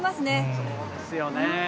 そうですよね。